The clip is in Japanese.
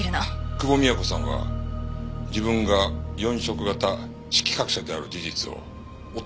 久保美也子さんは自分が四色型色覚者である事実を夫にさえ隠していました。